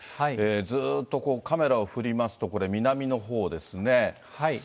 ずっとカメラを振りますと、これ南のほうですね。